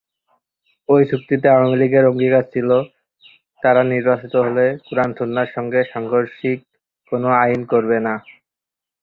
ওই চুক্তিতে আওয়ামী লীগের অঙ্গীকার ছিল, তারা নির্বাচিত হলে কুরআন-সুন্নাহর সঙ্গে সাংঘর্ষিক কোনো আইন করবে না।